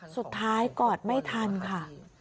สุดท้ายกอดไม่ทันค่ะ